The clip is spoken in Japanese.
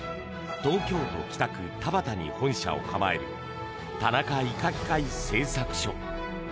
東京都北区田端に本社を構える田中医科器械製作所。